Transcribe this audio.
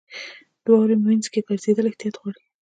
• د واورې مینځ کې ګرځېدل احتیاط غواړي.